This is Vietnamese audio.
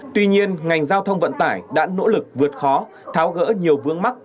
tuy nhiên ngành giao thông vận tải đã nỗ lực vượt khó tháo gỡ nhiều vướng mắt